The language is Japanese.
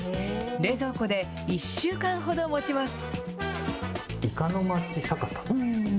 冷蔵庫で１週間ほどもちます。